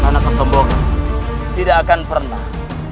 karena kesombongan tidak akan pernah